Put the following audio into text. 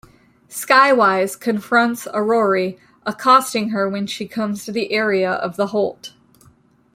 Skywise confronts Aroree, accosting her when she comes to the area of the holt.